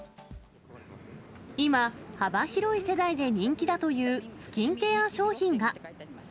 今、幅広い世代で人気だというスキンケア商品が。